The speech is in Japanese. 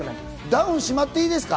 ダウンしまっていいですか？